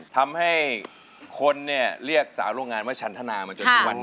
ทำให้คนคุณเนี่ยเรียกสาวโรงงานไว้ฉันทนามันจนคือวันนี้